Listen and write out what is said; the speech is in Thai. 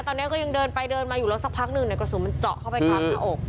ตอนนี้ก็ยังเดินไปเดินมาอยู่แล้วสักพักหนึ่งในกระสุนมันเจาะเข้าไปกลางหน้าอก